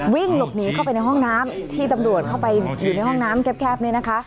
วิ่งหลบหนีเข้าไปในห้องน้ำที่ตำรวจเข้าไปอยู่ในห้องน้ำแคบนี่นะคะ